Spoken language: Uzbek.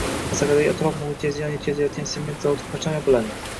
Asakadagi atrof-muhitga ziyon yetkazayotgan sement zavodi qachon yopiladi?